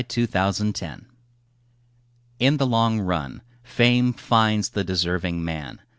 IN THE LONG RUN In the long run fame finds the deserving man.